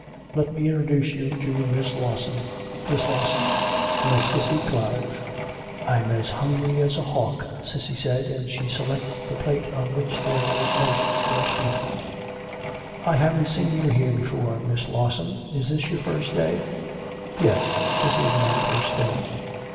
'Let me introduce you to Miss Lawson. Miss Lawson, Miss Cissy Clive.' 'I'm as hungry as a hawk,' Cissy said, and she selected the plate on which there was most beef. 'I haven't seen you here before, Miss Lawson. Is this your first day?' 'Yes, this is my first day.'